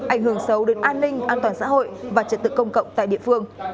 ảnh hưởng sâu đến an ninh an toàn xã hội và trật tự công cộng tại địa phương